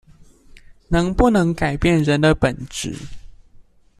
能不能改變人的本質